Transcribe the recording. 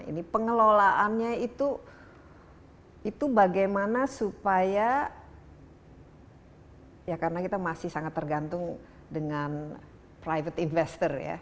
ini pengelolaannya itu bagaimana supaya ya karena kita masih sangat tergantung dengan private investor ya